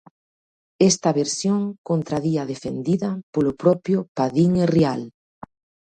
Esta versión contradí a defendida polo propio Padín e Rial.